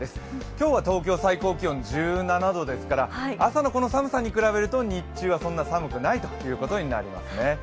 今日は東京最高気温１７度ですから、朝のこの寒さに比べると、日中はそんなに寒くないということになりますね。